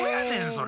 それ。